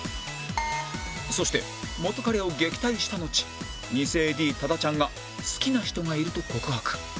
そして元カレを撃退したのち偽 ＡＤ 多田ちゃんが好きな人がいると告白